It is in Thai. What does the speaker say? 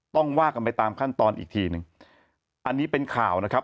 ว่ากันไปตามขั้นตอนอีกทีหนึ่งอันนี้เป็นข่าวนะครับ